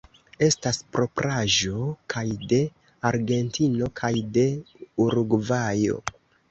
Estas propraĵo kaj de Argentino kaj de Urugvajo.